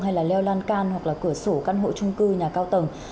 hay leo lan can hoặc cửa sổ căn hộ chung cư nhà cao tầng